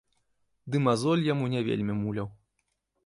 Ды мазоль яму не вельмі муляў.